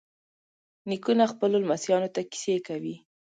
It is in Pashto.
نیکونه خپلو لمسیانو ته کیسې کوي.